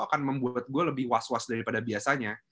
akan membuat gue lebih was was daripada biasanya